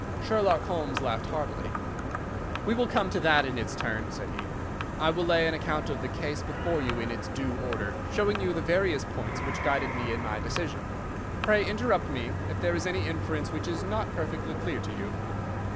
Sherlock Holmes laughed heartily. "We will come to that in its turn," said he. "I will lay an account of the case before you in its due order, showing you the various points which guided me in my decision. Pray interrupt me if there is any inference which is not perfectly clear to you.